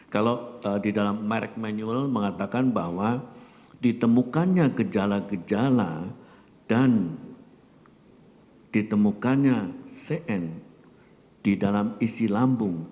kalau di dalam merk manual mengatakan bahwa ditemukannya gejala gejala dan ditemukannya cn di dalam isi lambung